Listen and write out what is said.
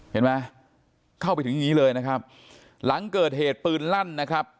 เห็นไหมเข้าไปถึงอย่างนี้เลยนะครับหลังเกิดเหตุปืนลั่นนะครับ